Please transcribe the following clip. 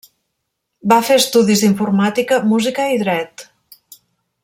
Va fer estudis d'informàtica, música i Dret.